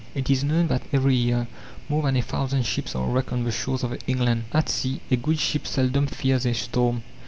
It is known that every year more than a thousand ships are wrecked on the shores of England. At sea a good ship seldom fears a storm.